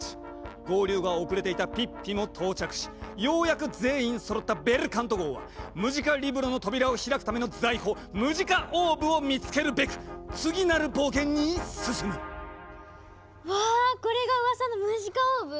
合流が遅れていたピッピも到着しようやく全員そろったベルカント号はムジカリブロの扉を開くための財宝「ムジカオーブ」を見つけるべく次なる冒険に進むわこれがうわさのムジカオーブ？